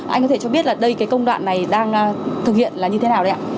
anh có thể cho biết là công đoạn này đang thực hiện là như thế nào đấy ạ